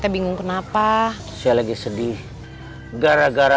b huntai dia